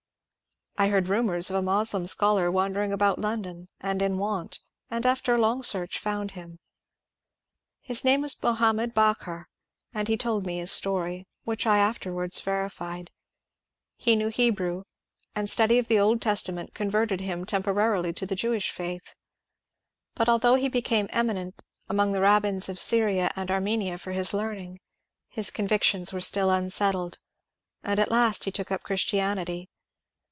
I heard rumours of a Moslem scholar wandering about London, and in want, and after a long search found him. His name was Mohammed Bakher, and he told me his story, — which I afterwards verified. He knew Hebrew, and study of the Old Testament converted him temporarily to the Jew ish faith. But although he became eminent among the Rab bins of Syria and Armenia for his learning, his convictions were still unsettled; and at last he took up Christianity.